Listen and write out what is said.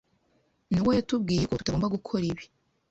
Nowa yatubwiye ko tutagomba gukora ibi.